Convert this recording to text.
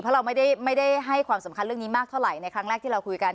เพราะเราไม่ได้ให้ความสำคัญเรื่องนี้มากเท่าไหร่ในครั้งแรกที่เราคุยกัน